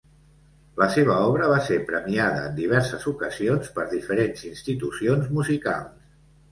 La seva obra va ser premiada en diverses ocasions per diferents institucions musicals.